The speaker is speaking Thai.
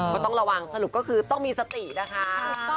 ก็ต้องระวังสรุปก็คือต้องมีสตินะคะ